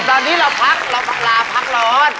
พี่ลมตอนนี้เราพักเรามาลาพักล้อน